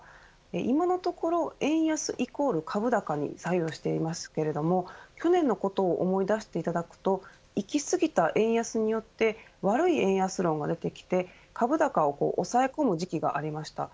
今のところ、円安イコール株高に採用していますが去年のことを思い出していただくといき過ぎた円安によって悪い円安論が生まれてきて株高を抑え込む時期がありました。